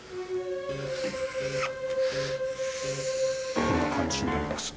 こんな感じになりますね。